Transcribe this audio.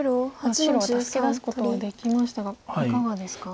白は助け出すことはできましたがいかがですか？